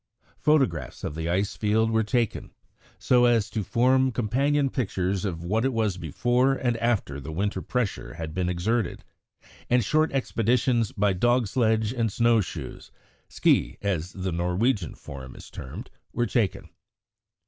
Photographs of the ice field were taken, so as to form companion pictures of what it was before and after the winter pressure had been exerted, and short expeditions by dog sledge and snow shoes (ski, as the Norwegian form is termed) were taken.